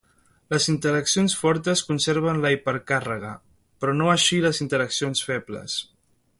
Les interaccions fortes conserven la hipercàrrega, però no així les interaccions febles.